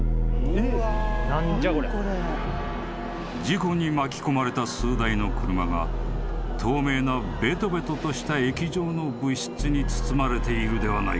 ［事故に巻き込まれた数台の車が透明なべとべととした液状の物質に包まれているではないか］